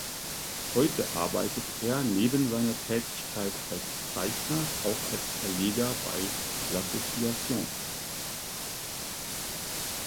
Heute arbeitet er neben seiner Tätigkeit als Zeichner auch als Verleger bei L’Association.